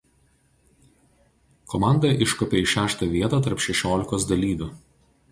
Komanda iškopė į šeštą vietą tarp šešiolikos dalyvių.